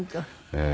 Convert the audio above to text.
ええ。